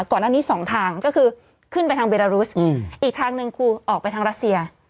ก่อนหน้านี้สองทางก็คือขึ้นไปทางเบรารุสอีกทางหนึ่งคือออกไปทางรัสเซีย